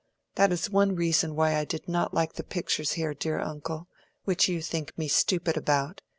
That is one reason why I did not like the pictures here, dear uncle—which you think me stupid about.